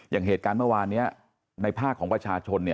อย่างเหตุการณ์เมื่อวานนี้ในภาคของประชาชน